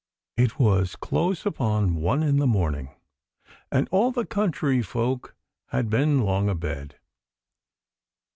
It was close upon one in the morning, and all the country folk had been long abed.